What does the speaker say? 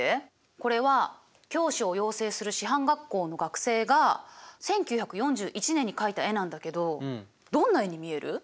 これは教師を養成する師範学校の学生が１９４１年に描いた絵なんだけどどんな絵に見える？